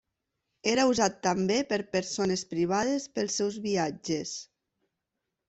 Era usat també per persones privades pels seus viatges.